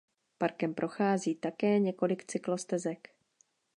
Parkem prochází také několik cyklostezek.